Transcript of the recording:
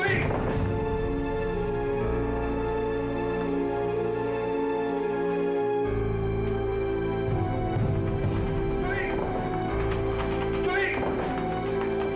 ya udah cepet pangin